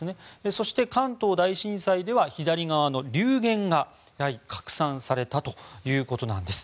そして、関東大震災では左側の流言が拡散されたということなんです。